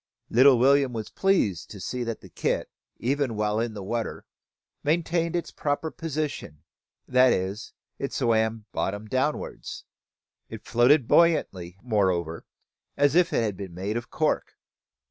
Little William was pleased to see that the kit, even while in the water, maintained its proper position, that is, it swam bottom downwards. It floated buoyantly, moreover, as if it had been made of cork.